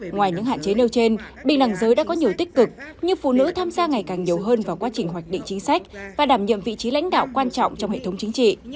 ngoài những hạn chế nêu trên bình đẳng giới đã có nhiều tích cực như phụ nữ tham gia ngày càng nhiều hơn vào quá trình hoạch định chính sách và đảm nhiệm vị trí lãnh đạo quan trọng trong hệ thống chính trị